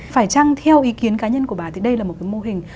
phải chăng theo ý kiến cá nhân của bà thì đây là một cái mô hình